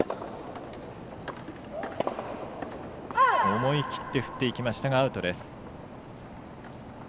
思い切って振っていきましたがアウト。